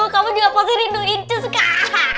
kamu juga pasti rindu incus kak